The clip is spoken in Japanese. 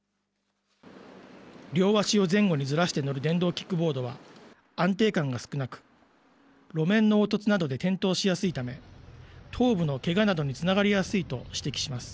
両足を前後にずらして乗る電動キックボードは、安定感が少なく、路面の凹凸などで転倒しやすいため、頭部のけがなどにつながりやすいと指摘します。